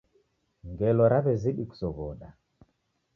Ngelo raw'ezidi kusoghoda.